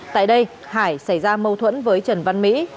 tại đây hải xảy ra mâu thuẫn với trần văn mỹ